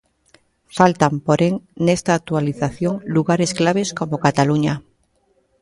Faltan, porén, nesta actualización lugares claves como Cataluña.